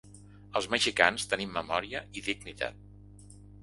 Els mexicans tenim memòria i dignitat.